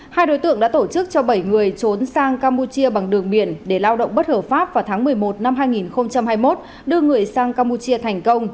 hai đối tượng đã tổ chức cho bảy người trốn sang campuchia bằng đường biển để lao động bất hợp pháp vào tháng một mươi một năm hai nghìn hai mươi một đưa người sang campuchia thành công